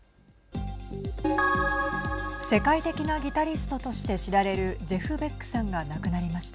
世界的なギタリストとして知られるジェフ・ベックさんが亡くなりました。